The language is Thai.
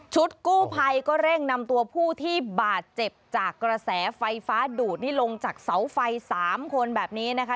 กู้ภัยก็เร่งนำตัวผู้ที่บาดเจ็บจากกระแสไฟฟ้าดูดนี่ลงจากเสาไฟ๓คนแบบนี้นะคะ